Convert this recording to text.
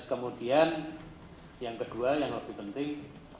kemudian yang kedua yang lebih penting